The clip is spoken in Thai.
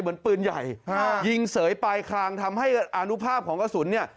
ปืนใหญ่ยิงเสยปลายคลางทำให้อนุภาพของกระสุนเนี่ย